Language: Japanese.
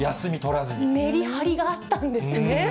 メリハリがあったんですね。